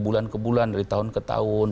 bulan ke bulan dari tahun ke tahun